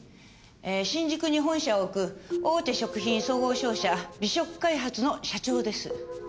新宿に本社を置く大手食品総合商社美食開発の社長です。